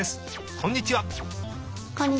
こんにちは。